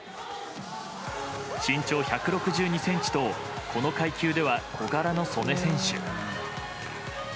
身長１６２ｃｍとこの階級では小柄の素根選手。